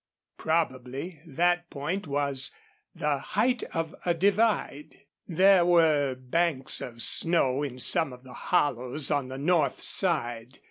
Probably that point was the height of a divide. There were banks of snow in some of the hollows on the north side.